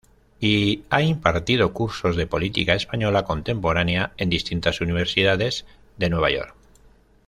Y ha impartido cursos de política española contemporánea en distintas Universidades de Nueva York.